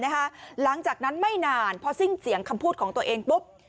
หลังจากนั้นไม่นานพอสิ้นเสียงคำพูดของตัวเองปุ๊บ